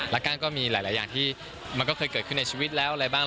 แล้วก้านก็มีหลายอย่างที่มันก็เคยเกิดขึ้นในชีวิตแล้วอะไรบ้าง